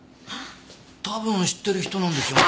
多分知ってる人なんですよ。